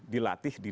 dilatih di dunia